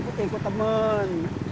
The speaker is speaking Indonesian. namun tidak untuk hatinya